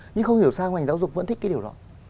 nhưng không hiểu sao ngành giáo dục vẫn thích cái điều đó